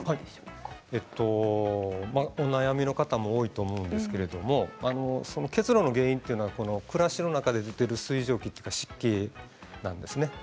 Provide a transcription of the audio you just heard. お悩みの方も多いと思うんですけれど結露の原因というのは暮らしの中で出る水蒸気というか、湿気なんですね。